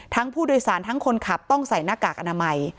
ผู้โดยสารทั้งคนขับต้องใส่หน้ากากอนามัย